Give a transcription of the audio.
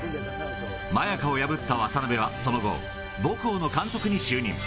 マヤカを破った渡辺はその後、母校の監督に就任。